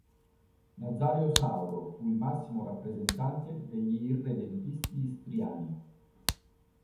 Nazario Sauro fu il massimo rappresentante degli irredentisti istriani.